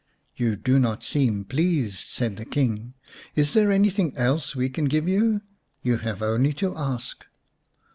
" You do not seem pleased," said the King. " Is there anything else we can give you ? You have only to ask."